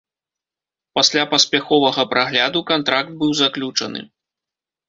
Пасля паспяховага прагляду, кантракт быў заключаны.